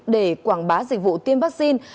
để quảng bá dịch vụ tiêm vaccine